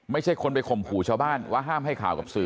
ไม่ใช่คนไปข่มขู่ชาวบ้านว่าห้ามให้ข่าวกับสื่อ